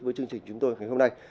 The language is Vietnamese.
với chương trình chúng tôi ngày hôm nay